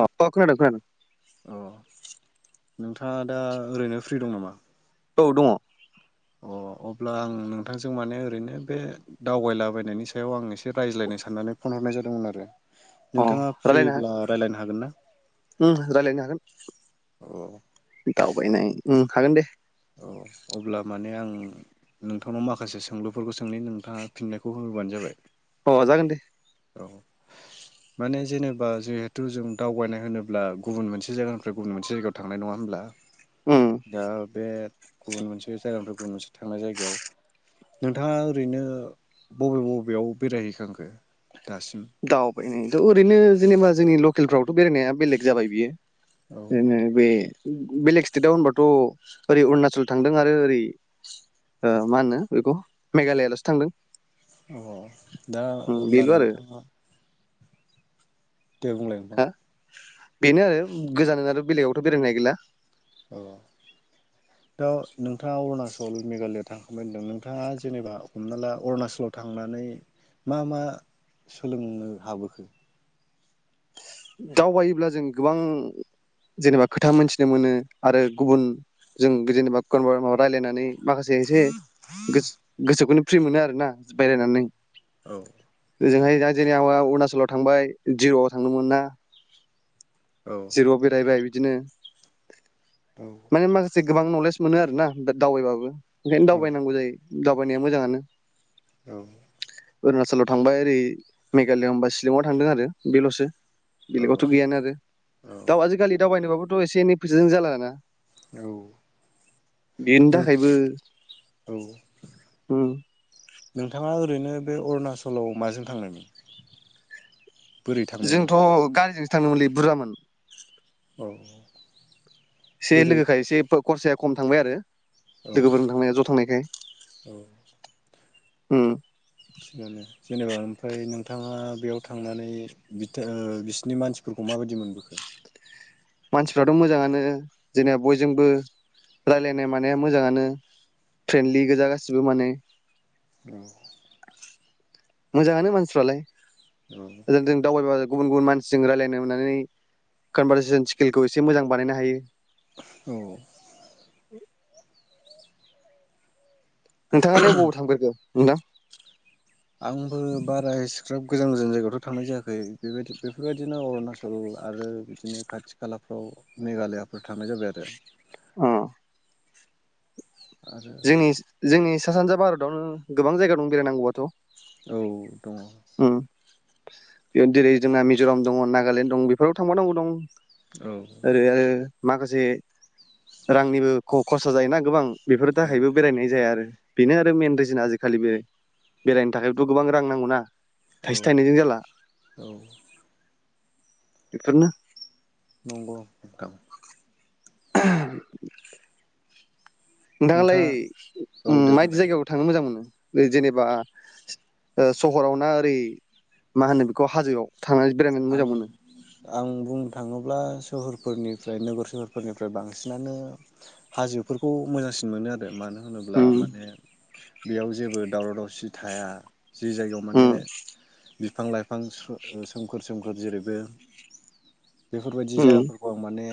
अ खोनादों खोनादों औ नोंथाङा दा ओरैनो फ्रि दं नामा? औ दङ अ अब्ला आं नोंथांजों माने ओरैनो बे दावगायलाबायनायनि सायाव आं एसे रायज्लायनो साननानै फन हरनाय जादोंमोन आरो अ नोंथाङा रायलायनो फ्रिब्ला राय्लायनो हागोन ना उम रायलायनो हागोन औ दावबायनाय उम हागोन दे औ अब्ला माने आं नोंथांनाव माखासे सोंलुफोरखौ सोंनो नोंथाङा फिननायखौ होोबानो जाबाय अ जागोन दे औ माने जेनेबा जिहेथु जों दावबायनाय होनोब्ला गुबुन मोनसे जायगानिफ्राय गुबुन मोनसे जायगायाव थांनाय नङा होनोमब्ला ओम ओ बे गुबुन मोनसे जायगानिफ्राय गुबुन मोनसे थांनाय जायगायाव नोंथाङा ओरैनो बबे बबेयाव बेरायहैखांखो? दासिम? दावबायनाय। थ ओरैनो जेनेबा जोंनि लकेलफ्रावथ' बेरायनाया बेलेग जाबाय बियो? औ बेनो बे। बेलेग स्टेटआव होनबाथ' ओरै अरुणाचल थांदों आरो ओरै मा होनो बेखौ मेघालयाल'सो थांदों। अ दा उम अब्ला बेल' आरो नोंथाङा दे बुंलाय नोंथां? हा बेनो आरो गोजानाथ' बेलेगावथ' बेरायनो गैला। अ दा नोंथाङा अरुणाचल मेघालया थांखांबाय होनदों नोंथाङा जेनेबा हमना ला अरुणचलाव थांनानै मा मा सोलोंनो हाबोखो? दावबायोब्ला जों गोबां जेनेबा खोथा मोनथिनो मोनो आरो गुबुन जों जेनेबाबार माबा रायलायनानै माखासे एसे गोसोखौनो फ्रि मोनो आरो ना बेरायनानै। औ। होजोंहाय दा जोंनि आवा अरुणाचलाव थांबाय जिर'आव थांदोंमोन ना। औ [inaudible] जिर‌ आव बेरायबाय। बिदिनो। औ माने मा खासे गोबां नलेज मोनो आरो ना दाव दावबायबाबो। ओखायनो दावबायनांगौ जायो। दावबायनाया मोजाङानो। औ। अरुणाचलाव थांबाय ओरै मेघालया होनबा सिलंआव थांदों आरो बेल'सो। औ बेलेगावथ' गैयानो आरो दाव आजिखालि दावबायनोबाबो थ' एसे एनैसाजों जाला ना? औ बेनि नों थाखायबो औ उम। नोंथाङा ओरैनो बे अरुणाचलाव माजों थांनायमोन? बोरै थांनायमोन? जोंथ' गारिजों थांनोङोमोनलै बुरजामोन। औऔ। से लोगोखायसे फोप खरसाया खम थांबाय आरो। औ लोगोफोरजों थांनाया ज' थांनायखाय। औ उम। थिगानो। जेनेबा ओमफ्राय नोंथाङा बेयाव थांनानै बिथोर बिसिनि मानसिफोरखौ माबायदि मोनबोखो? मानसिफ्राथ' मोजाङानो जेनेब बयजोंबो रालायनाय मानाया मोजाङानो फ्रेन्डलि गोजा गासिबो माने। [inaudible] मोजाङानो मानसिफ्रालाय। औ ओजों जों दवबारबाब गुबुन गुबुन मानसिजों रायजलायनोवनानै कनभारसेसन स्किलखौ एसे मोजां बानायनो हायो। औ। नोंथाङालाय अबाव थांफेरखो। नोंदां। आंबो बारा इसिग्राफब गोजान गोजान जायगायावथ' थांनाय जायाखै बेबायदि बेफोरबायदिनो अरुणाचल आरो बिदिनो खाथि खालाफ्राव मेघालयाफोराव थांनाय जाबाय आरो। उम। जोंनिस जोंनिस सा सानजा भारतावनो गोबां‍ जायगा दं बेरायनांगौआथ'। आरो औ दङ उम बेयाव जेरै जोंना मिज'राम दङ नागालेण्ड दं बेफोराव थांबावनांगौ दं। औ ओरै ‌आरो। माखोसे रांनिबो ख खसा जायोना गोबां। बेफोर औ थाखायबो बेरायनाय जाया आरो बेनो आरो मेन रिजोन जि खालि बे बेरायनो थाखायबोथ' गोबां रां नांगौ ना। औ औ। बेफोरनो। नंगौ नोंथां। [inaudible] नोंथाङालाय नोंथाङा औ उम दे मायदि बुंलाय जायगायाव थांनो मोजां मोनो। बै जेनेबा सो ओ सहराव ना ओरै माहोनो बेखौ हाजोआव। थांनानै बेरायनानै आं मोजां मोनो आं बुंनो थाङोब्लास सोहोरफोरनिफ्राय नोगोर सोहोरफोरनिफ्राय बांसिनानो हाजोफोरखौ मोजांसिन मोनो आरो मानो होनोब्ला उम माने। बेयाव जेबो दावराव दावसि थाया। जि जायगायाव माने उम बिफां लाइफां सो सोम सोमखोर सोमखोर जेरैबो बेफोरबायदि उम जायगाफोरखौ आं माने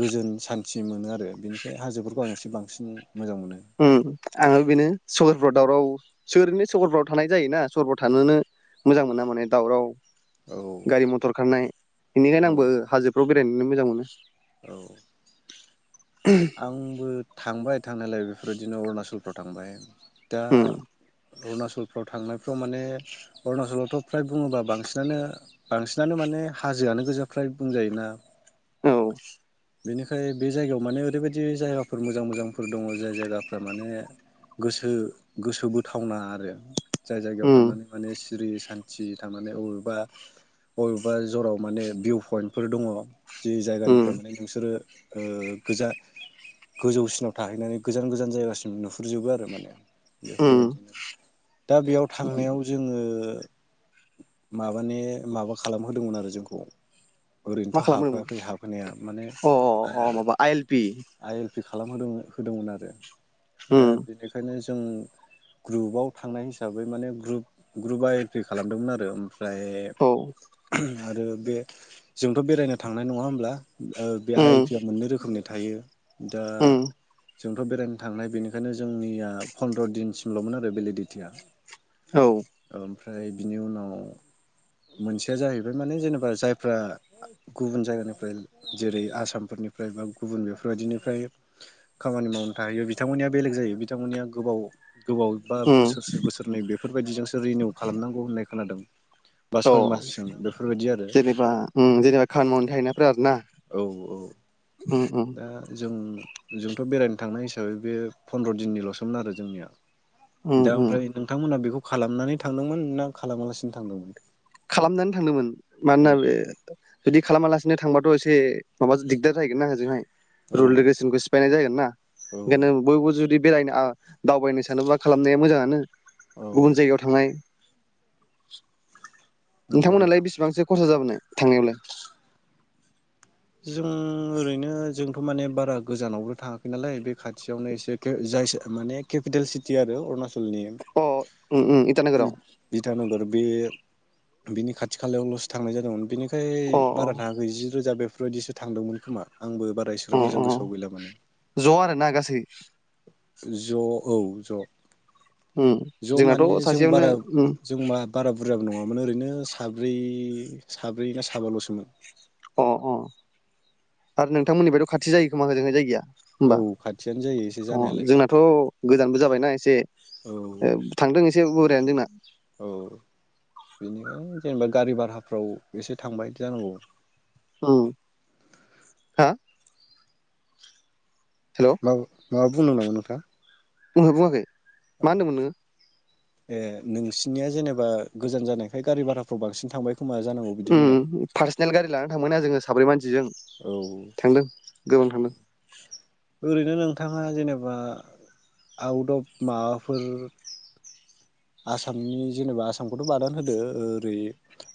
गोजोन सान्थि मोनो आरो बेनिखाय हाजोफोरखौ आं एसे बांसिन मोजां मोनो ओम आङो बेनो स सहरआव दावराव सो ओरैनो सहरफ्राव थानाय जायोना सहरफ्राव थानोनो मोजां मोना माने दावराव औ गारि मथर खारनाय औ बेनिखायनो आंबो हाजोफ्राव बेरायनोनो मोजां मोनो। औ। आंबो थांबाय थांनायलायो बेफोरबायदिनो अरुणाचलफो थांबाय दा उम अरुणाचलफ्राव थांनायफ्राव माने अरुणाचलावथ' फ्राय बुङोबा बांसिनानो बांसिनानो माने हाजोआनो गोजाआ फ्राय बुंजायोना औ बेनिखाय बे जायगायाव माने ओरैबायदि जायगाफोर मोजां मोजांफोर दङ' जाय जायगाफ्रा माने गोसो गोसो बोथावना आरो जाय जायगायाव उम थांनानै माने जिरि सान्ति थांनानै माने अबेबा अबेबा जराव माने भिउ पइन्टफोर दङ'। जि उम जायगानिफ्राय माने ओ ओ गोजा गोजौसिनाव थाहैनानै गोजान गोजान जायगासिम नुहुरजोबो आरो माने। उम बेफोरबायदिनो दा बेयाव थांनायाव जोङो माबानि माबा खालामहोदोंमोन आरो जोंखौ मा ओरैनोथ' खालामदोंमोन हाबहोआखै हाबहोनाया माने अ अ अ माबा I L P I L फि खा खालामहोदों होदोंमोन आरो दा उम बेनिखायनो जो जों ग्रुबाव थांनाय हिसाबै माने group group I L P खालामदोंमोन आरो फ्राय औ आरो बे जोंथ' बेरायनो थांनाय नङा होमब्ला? ओ बे आइ एल उम पि आ मोननै रोखोमनि थायो दा उम जोंथ' बेरायनो थांनाय बेनिखायनो जोंनिया फन्द्र' दिनसिमल'मोन आरो भेलिडिटिया औ फ्राय बिनि उनाव मोनसेया जाहैबाय माने जेनेबा जायफ्रा गुबुन जायगानिफ्राय जेरै आसामफोरनिफ्राय बा गुबुन बे बेबायदिनिफ्राय खामानि मावनो थाहैयो बिथांमोननिया बेलेग जायो बिथांमोननिया गोबाव गोबाव बा उम बोसोरसे बोसोरनै बे बेफोरबायदिजोंसो रिनिउ खालामनांगौ होननाय खोनादों बा औ सय मासजों बेफोरबायदि आरो जेनेबा उम जेनेबा खामानि मावनो थाहैनायफोरा आरो ना औ औ उम दा जों जोंथ' बेरायनो थांनाय हिसाबै बे फन्द्र' दिननिल'सोमोन आरो जोंनिया उम दा उम ओमफ्राय नोंथांमोना बेखौ खालामनानै थांदोंमोन ना खालामालासिनो थांदोंमोन खालामनानै थांदोंमोन औ मानोना बे बेदि खालामालासिनो थांबाथ' एसे एसे माबा दिगदार जाहैगोन ना ओजोंहाय औ रुल रेगुलेसनखौ सिफायनाय जागोन ना औ ओंखायनो बयबो जुदि बेरायनो दावबायनो सानोबा खालामनाया मोजाङानो औ गुबुन जायगायाव थांनाय [inaudible] नंगौ नोंथांमोनहालाय नोंथां बेसेबांसो खरसा जाबोनाय थांनायावलाय जों ओरैनो जोंथ' माने बारा गोजानावबो थाङाखै नालाय बे खाथियावनो एसे जाय माने केपिटेल सिटि आरो अरुणाचल नि अ उम उम इटानोगोराव ईतानगर बे बिनि खाथि खालायावल'सो थांनाय जादोंमोन बेनि ओमफ्राय अ बारा थाङखै जि रोजा बे बेफोरबायदिसो थांदोंमोन खोमा उम मोजां उम गोसोआव गैला माने ज' आरोना गासै ज' औ ज' उम ज' माने जोंनाथ' जों सासेयावनो बारा उम जों मा बारा बुरजाबो नङामोन ओरैनो साब्रै साब्रै ना साबाल'सोमोन अ अ आरो नोंथांमोननिफ्रायथ' खाथि जायो खोमा होजोंहाय जायगाया औ होमबा खाथियानो जायो एसे अ जानायालाय जोंनाथ' गोजानबो जाबायना एसे औ थांदों एसे बोरायानो जोंना औ बेनिखायनो जेनेबा गारि भाराफ्राव एसे थांबायदि जानांगौ औ [inaudible] हा हेल' हेलौ माबा बुंनो नामा नोंथां बुंहो बुङाखै मा होनदोंमोन नोङो ए नोंसिनिया जेनेबा गोजान जानायखाय गारि भाराफ्राव बांसिन थांबाय खोमा जानांगौ बिदि बुंदां ओम फारसनेल गारि लाना थांबायना जोङो साब्रै मानसिजों औ थांदों गोबां थांदों ओरैनो नोंथाङा जेनेबा आउट अफ माबाफोर आसामनि जेनेबा आसामखौथ' बादानो होदो ओरै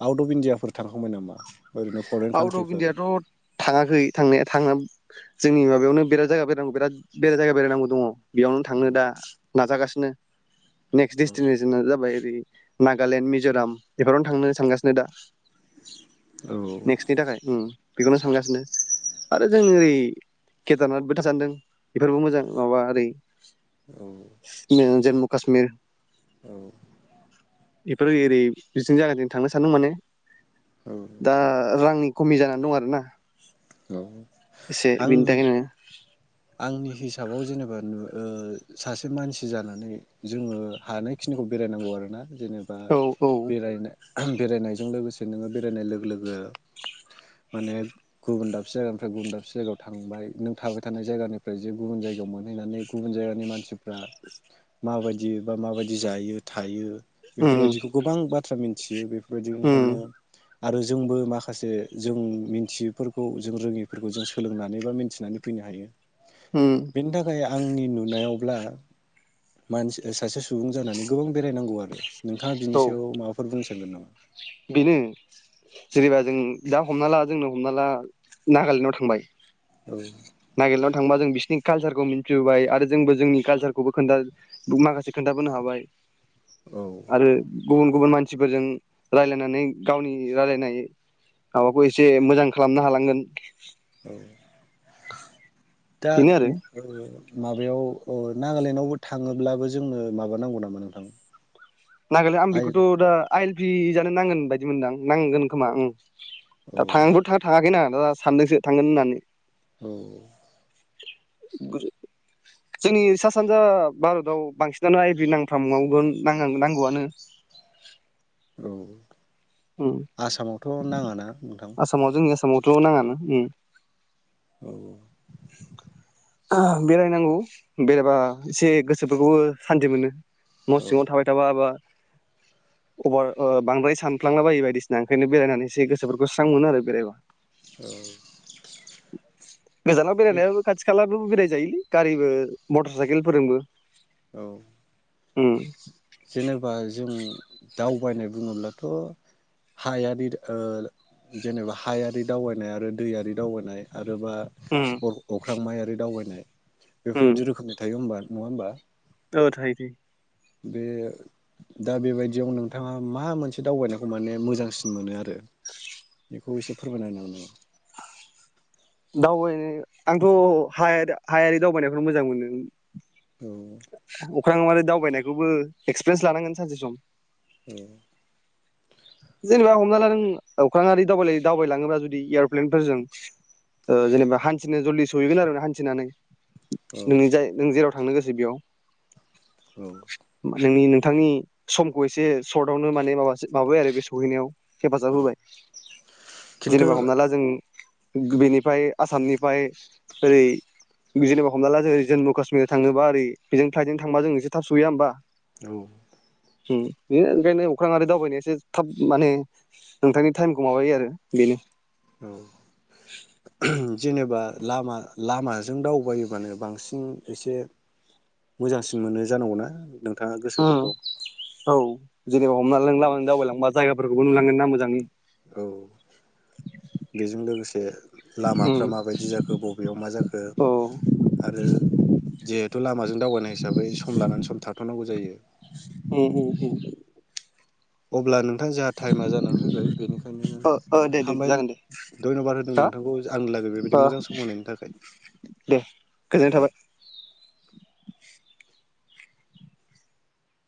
आउट अफ इण्डियाफोर थांखांबाय नामा ओरैनो फरेन आउट अफ कान्ट्रिफोर इण्डियाथ' थाङाखै थांनाया थाङा जोंनि माबायावनो बेराद जायगा बेरायनांगौ बेराद बेराय जायगा बेरायनांगौ दङ बेयावनो थांनो दा नाजागासि नो नेक्सट डेस्टिनेसना जाबाय ओरै नागालेण्ड मिज'राम बेफोरावनो थांनो सानगासिनो दा औ नेक्सटनि थाखाय ओम बेखौनो सानगासिनो आरो जों ओरै केदारनाथ [unintelligible] सानदों बेफोरबो मोजां माबा ओरै औ नो जुम्मु काश्मिर औ बेफोर ओरै बिथिं जायगाथिं थांनो सानदों माने औ दा रांनि खमि जानानै दं आरोना औ एसे बिनि आंनि थाखायनो आंनि हिसाबाव जेने [unintelligible] ओ सासे मानसि जानानै जोङो हानायखिनिखौ बेरायनांगौ आरोना। जेनेबा औ औ बेरायनो बेरायनायजों लोगोसे नोङो बेरायनाय लोगो लोगो माने गुबुन दाबसे जायगानिफ्राय गुबुन दाबसे जायगायाव थांबाय नों थाबाय थानाय जायगानिफ्राय जे गुबुन जायगायाव मोनहैनानै गुबुन जायगानि मानसिफ्रा माबायदि बा माबायदि जायो थायो उम बेफोरबायदिखौ गोबां बा थ्रा मिनथियो उम बे [unintelligible] आरो जोंबो माखासे जों मिन्थियि फोरखौ जों रोङिफोरखौ जों सोलोंनानै बा मिनथिनानै फैनो हायो। उम बेनि थाखाय आंनि नुनायावब्ला मान ओ सासे सुबुं जानानै गोबां बेरायनांगौ आरो। नोंथाङा औ बिनि सायाव माबाफोर बुंनो सानगोन नामा? बेनो जेनेबा जों दा हमना ला जोंनो हमना ला नागालेण्डआव थांबाय औ नागालेण्डआव थांबा जों बिसिनि कालसारखौ मिनथिबाय आरो जोंबो जोंनि कालसारखौबो खोनथा माखासे खोनथाबोनो हाबाय औ आरो गुबुन गुबुन मानसिफोरजों रायलायनानै गावनि रायलायनाय माबाखौ एसे मोजां खालामनो हालांगोन औ दा बेनो आरो माबायाव अ नागालेण्डआवबो थाङोब्लाबो जोंनो माबा नांगौ नामा नोंथां नागालेण्ड आं आइ बिखौथ' दा आइ फि जानो नांगोन बायदि मोनदां नांगोन खोमा ओं औ दा थाङाबो थाङाखैना आं ओ सान्दोंसो थांगोन होननानै औ [unintelligible] जोंनि सा सानजा बारताव बांसिनानो आइभ नांथामावगोन नानां नांगौआनो औ ओं आसामावथ' नाङाना नोंथां आसामाव जोंनि आसामावथ' नाङानो ओ औ ओ बेरायनांगौ बेरायबा एसे गोसोफोरखौबो सान्थि मोनो न' औ सिङाव थाबाय थाबाबा अभार ओ बांद्राय सानफ्लांलाबायो बायदिसिना ओंखायनो बेरायनानैसो गोसोफोरखौ स्रां मोनो आरो बेरायबा गोजानाव बेरायनायबो खाथि बो बेराय जायोलै गारिबो मथर साइकेल फोरजोंबो औ उम जेनेबा जों दावबायनाय बुङोब्लाथ' हायारि ओ जेनेबा हायारि दावबायनाय आरो दैयारि दावबायनाय आरो बा उम अ अख्रांमायारि दावबायनाय उम बेफोरबायदि रोखोमनि थायो होमबा नङा होमबा औ थायो दि बे दा बेबायदियाव नोंथाङा मा मोनसे दावबायनायखौ माने मोजांसिन मोनो आरो बेखौ एसे फोरमायना नङा दावबायनो आंथ' हा हायारि दावबायनायखौनो मोजां मोनो औ अख्रांमायाव मारै दावबायनायखौबो एक्सपिरियेन्स लानांगोन सानसे सम ओ जेनेबा हमना लादों अख्रां दाव दावबायलाङोबा जुदि एर'प्लेनफोरजों जेनेबा हान्थिनो जलदि सहैगोन आरो हान्थिनानै औ नों जाय नों जेराव थांनो गोसो बेयाव औ [unintelligible] थांनि समखौ एसे सर्टवनो माने माब माबायो आरो बे सम सहैनायाव हेफाजाब होबाय खिन्थु जेनेबा हमना ला जों बेनिफ्राय आसामनिफ्राय ओरै जेनेबा हमला ला जो जम्मु काश्मी थाङोबा ओरै बेजों फ्लाइटजों थांबा जों एसे थाब सहैया होमबा औ उम बेयो बेनो अखांयारि अख्रांसानि दावबायनायासो थाब माने नोंथांनि टाइमखौ माबायो आरो बेनो। औ उम। जेनेबा लामा लामाजों दावबायोबानो बांसिन एसे मोजांसिन मोनो जानांगौना? नोंथाङा उम गोसोफोरखौ औ। जेरै हमना लांब दावबायलांबा जायाफोरखौबो नुलांगोना मोजाङै। औ बेजों लोगोसे लामाफ्रा माबायदि जाखो बबेयाव मा जाखो औ आरो जिहेथु लामाजों दावबायनाय हिसाबै सम लानानै सम थाथ'नांगौ जायो। उम उम उम उम। अब्ला नों नोंथां जोंहा टाइमा जानानै फैबाय बेनिखायनो ओ ओ दे दे हामबाय जागोन दे धन्यबाद होदों हा नोंथांखौ आंनि लागै बेबायदि ओ मोजां समायनायनि दे गोजोननाय थाबाय थाखाय